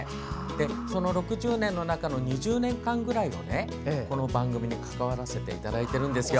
その６０年の中の２０年間くらいを、この番組に関わらせていただいてるんですよ。